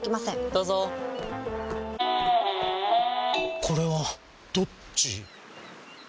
どうぞこれはどっち？